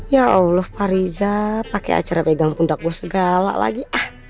ya allah pak riza pakai acara pegang kundak gue segala lagi